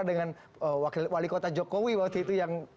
dengan wali kota jokowi waktu itu yang